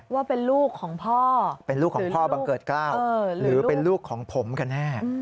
ว่าเป็นลูกของพ่อเป็นลูกของพ่อบังเกิดกล้าวหรือเป็นลูกของผมกันแน่